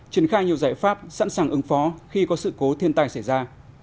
triển khai nhiều giải pháp sẵn sàng ứng phó khi có sự cố thiên tai xảy ra